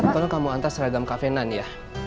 tolong kamu antar seragam kavenan ya